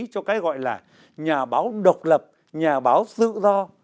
cho cái gọi là nhà báo độc lập nhà báo tự do